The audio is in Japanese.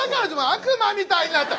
悪魔みたいになった。